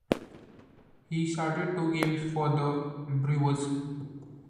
He started two games for the "Brewers".